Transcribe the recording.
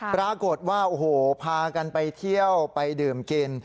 ปรากฏว่าโอ้โหพากันไปเที่ยวไปดื่มกิน